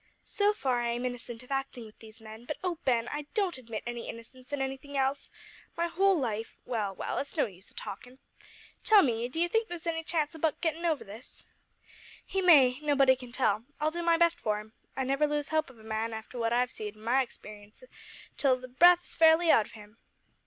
So far I am innocent of acting with these men, but, O Ben, I don't admit my innocence in anything else! My whole life well, well it's of no use talkin'. Tell me, d'ye think there's any chance o' Buck getting over this?" "He may. Nobody can tell. I'll do my best for him. I never lose hope of a man, after what I've see'd in my experience, till the breath is fairly out of him."